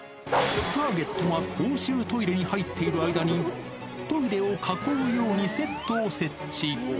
ターゲットが公衆トイレに入っている間に、トイレを囲うようにセットを設置。